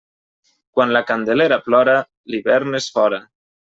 Quan la Candelera plora, l'hivern és fora.